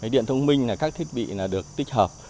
điện thông minh là các thiết bị được tích hợp